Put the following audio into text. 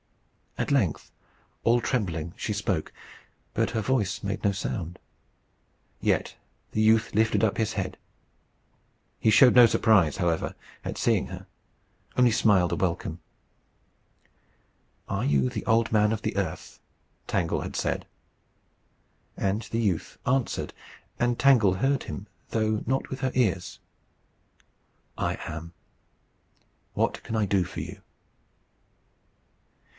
At length, all trembling, she spoke. But her voice made no sound. Yet the youth lifted up his head. He showed no surprise, however, at seeing her only smiled a welcome. "Are you the Old Man of the Earth?" Tangle had said. And the youth answered, and Tangle heard him, though not with her ears: "I am. What can I do for you?"